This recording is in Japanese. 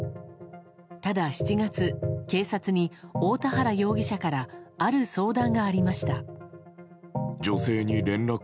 ただ７月、警察に大田原容疑者からある相談がありました。